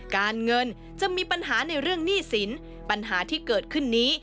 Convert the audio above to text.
การเงินจะมีปัญหาในเรื่องหนี้สินปัญหาที่เกิดขึ้นนี้